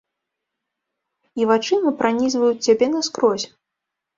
І вачыма пранізваюць цябе наскрозь.